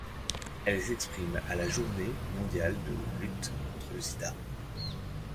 Elle s'exprime à la Journée mondiale de lutte contre le sida.